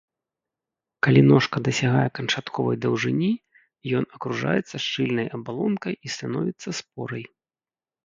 Калі ножка дасягае канчатковай даўжыні, ён акружаецца шчыльнай абалонкай і становіцца спорай.